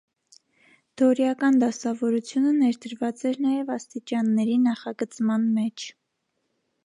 Դորիական դասավորությունը ներդրված էր նաև աստիճանների նախագծման մեջ։